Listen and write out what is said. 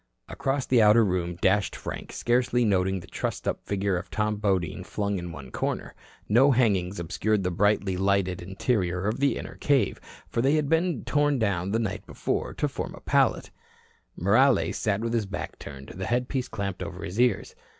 Across the outer room dashed Frank, scarcely noting the trussed up figure of Tom Bodine flung in one corner. No hangings obscured the brightly lighted interior of the inner cave, for they had been torn down the night before to form a pallet. Morales sat with his back turned, the headpiece clamped over his ears.